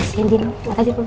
makasih ya dino makasih bobo